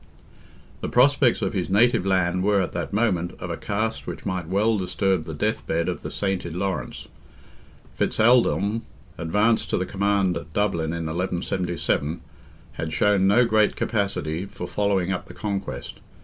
The prospects of his native land were, at that moment, of a cast which might well disturb the death bed of the sainted Laurence. Fitz Aldelm, advanced to the command at Dublin in 1177, had shown no great capacity for following up the conquest.